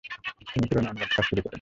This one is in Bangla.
তিনি কুরআনের অনুবাদের কাজ শুরু করেন।